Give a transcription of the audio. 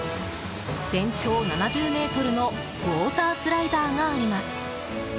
全長７０ｍのウォータースライダーがあります。